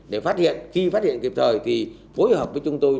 để phát hiện khi phát hiện kịp thời thì phối hợp với chúng tôi